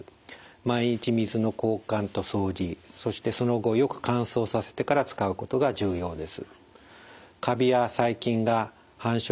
毎日水の交換と掃除そしてその後よく乾燥させてから使うことが重要です。